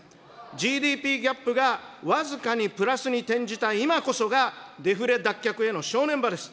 ＧＤＰギャップが僅かにプラスに転じた今こそがデフレ脱却への正念場です。